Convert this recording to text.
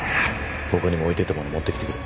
他にも置いていったもの持ってきてくれ。